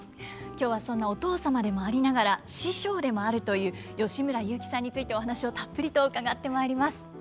今日はそんなお父様でもありながら師匠でもあるという吉村雄輝さんについてお話をたっぷりと伺ってまいります。